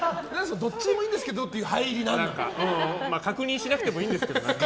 どっちでもいいんですけどっていう確認しなくてもいいんですけど。